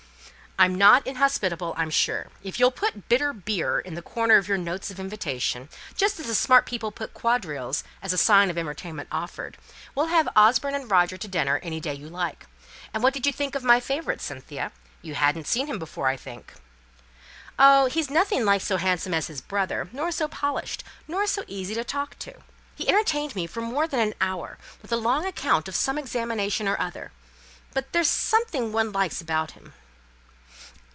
"I'm not inhospitable, I'm sure. If you'll put 'bitter beer' in the corner of your notes of invitation, just as the smart people put 'quadrilles' as a sign of the entertainment offered, we'll have Osborne and Roger to dinner any day you like. And what did you think of my favourite, Cynthia? You hadn't seen him before, I think?" "Oh! he's nothing like so handsome as his brother; nor so polished; nor so easy to talk to. He entertained me for more than an hour with a long account of some examination or other; but there's something one likes about him."